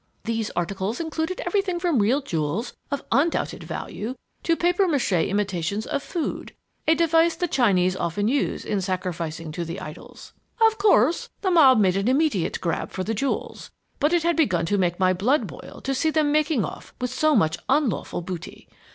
These articles included everything from real jewels of undoubted value to papier mâché imitations of food a device the Chinese often use in sacrificing to the idols. "Of course, the mob made an immediate grab for the jewels, but it had begun to make my blood boil to see them making off with so much unlawful booty.